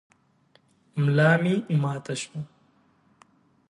ملا مي ماته شوه .